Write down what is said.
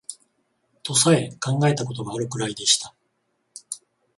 とさえ考えた事があるくらいでした